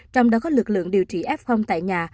trong đó có lực lượng điều trị f tại nhà